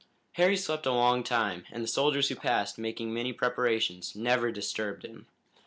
Harry slept a long time, and the soldiers who passed, making many preparations, never disturbed him.